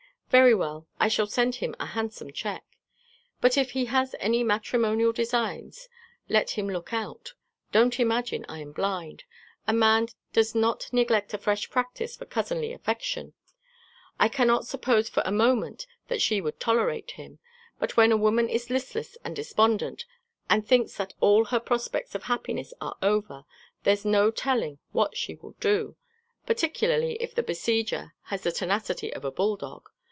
"Very well: I shall send him a handsome cheque. But if he has any matrimonial designs, let him look out. Don't imagine I am blind. A man does not neglect a fresh practice for cousinly affection. I cannot suppose for a moment that she would tolerate him, but when a woman is listless and despondent, and thinks that all her prospects of happiness are over, there's no telling what she will do; particularly if the besieger has the tenacity of a bull dog.